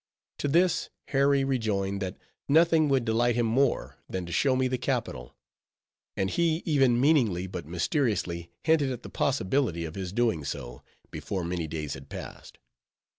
To this, Harry rejoined, that nothing would delight him more, than to show me the capital; and he even meaningly but mysteriously hinted at the possibility of his doing so, before many days had passed.